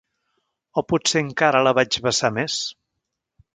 O potser encara la vaig vessar més.